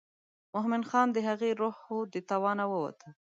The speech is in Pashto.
مومن خان د هغې روح و د توانه ووته.